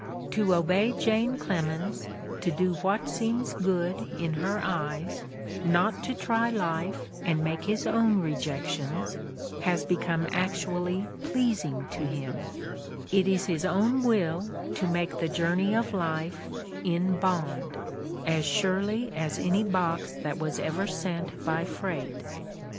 To obey Jane Clemens, to do what seems good in her eyes, not to try life and make his own rejections, has become actually pleasing to him; it is his own will to make the journey of life "in bond," as surely as any box that was ever sent by freight.